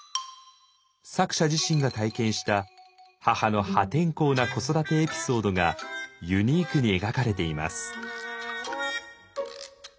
作者自身が体験した母の破天荒な子育てエピソードがユニークに描かれています。